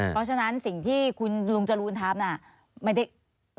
เพราะฉะนั้นสิ่งที่คุณลุงจรูนทำน่ะไม่ได้